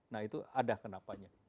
nah itu ada kenapanya